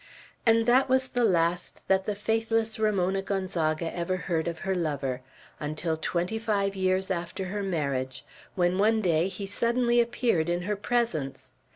And that was the last that the faithless Ramona Gonzaga ever heard of her lover, until twenty five years after her marriage, when one day he suddenly appeared in her presence.